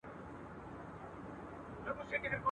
نیکه کیسه کوله!.